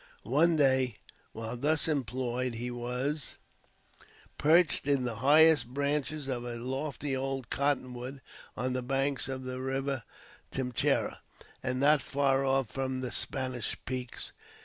One day, while thus employed, he was perched in the highest branches of a lofty old cotton wood on the banks of the River Timchera and not far off from the "Spanish Peaks."